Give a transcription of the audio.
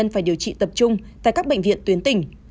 số f phải điều trị tập trung tại các bệnh viện tuyến tỉnh